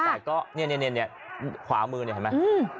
แต่ก็เนี่ยความือเห็นไหม